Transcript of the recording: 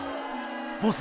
ボス